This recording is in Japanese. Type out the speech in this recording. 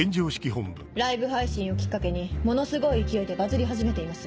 ライブ配信をきっかけにものすごい勢いでバズり始めています。